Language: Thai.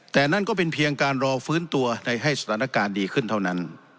แต่นั่นก็เป็นเพียงการรอฟื้นตัวในให้สถานการณ์ดีขึ้นเท่านั้น